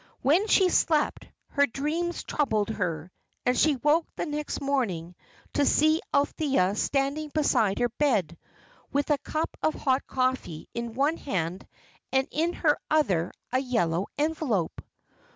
Even when she slept, her dreams troubled her, and she woke the next morning to see Althea standing beside her bed with a cup of hot coffee in one hand, and in her other a yellow envelope.